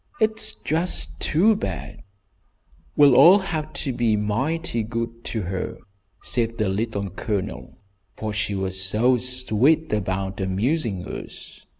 It's just too bad!" "We'll all have to be mighty good to her," said the Little Colonel, "for she was so sweet about amusing us.